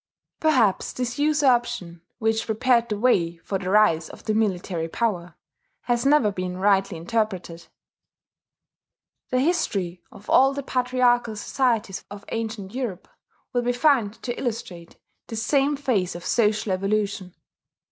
Perhaps this usurpation which prepared the way for the rise of the military power has never been rightly interpreted. The history of all the patriarchal societies of ancient Europe will be found to illustrate the same phase of social evolution.